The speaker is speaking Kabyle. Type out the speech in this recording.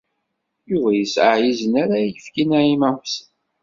Yuba yesɛa izen ara yefk i Naɛima u Ḥsen.